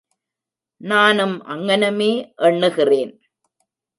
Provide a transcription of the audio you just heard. நானும் அங்ஙனமே எண்ணுகிறேன்.